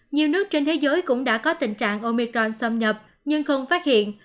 nhiều nước trên thế giới cũng đã có tình trạng omicron xâm nhập nhưng không phát hiện